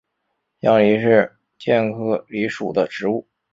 香藜是苋科藜属的植物。